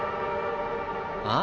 あっ？